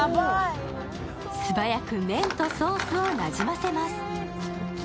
素早く麺とソースをなじませます。